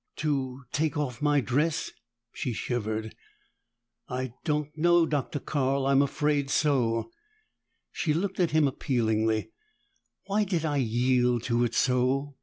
"To take off my dress?" She shivered. "I don't know, Dr. Carl. I'm afraid so." She looked at him appealingly. "Why did I yield to it so?"